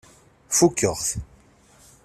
Fukeɣ-t.